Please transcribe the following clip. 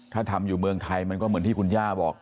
ถ้าทำอยู่เมืองไทยมันก็เหมือนที่คุณย่าบอก